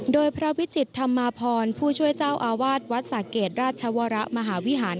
โดยพระวิจิตธรรมาพรผู้ช่วยเจ้าอาวาสวัดสะเกดราชวรมหาวิหาร